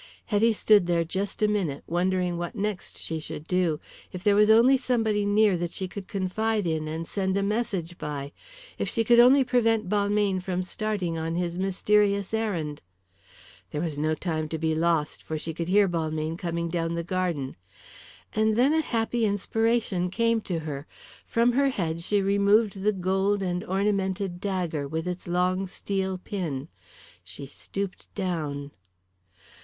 Hetty stood there just a minute, wondering what next she should do. If there was only somebody near that she could confide in and send a message by! If she could only prevent Balmayne from starting on his mysterious errand! There was no time to be lost, for she could hear Balmayne coming down the garden. And then a happy inspiration came to her. From her head she removed the gold and ornamented dagger, with its long steel pin. She stooped down.